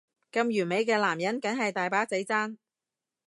咁完美嘅男人梗係大把仔爭